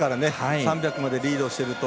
３００までリードしていると。